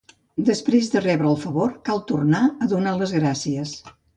Després de rebre el favor cal tornar a donar les gràcies.